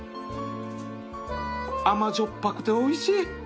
甘じょっぱくておいしい